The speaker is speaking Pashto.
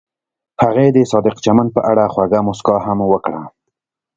هغې د صادق چمن په اړه خوږه موسکا هم وکړه.